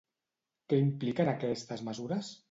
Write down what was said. Què impliquen aquestes mesures?